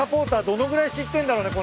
どのぐらい知ってんだろうね